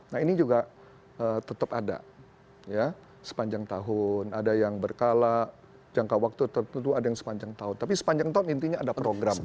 nah ini juga tetap ada ya sepanjang tahun ada yang berkala jangka waktu tertentu ada yang sepanjang tahun tapi sepanjang tahun intinya ada program